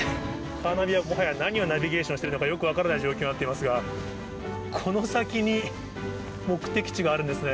カーナビが、もはや何をナビゲーションしているのかよく分からない状況になっていますが、この先に目的地があるんですね。